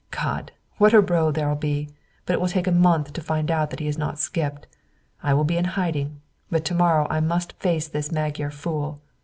"God! What a row there'll be; but it will take a month to find out that he has not skipped. I will be in hiding; but to morrow I must face this Magyar fool.